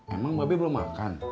emang mbak be belum makan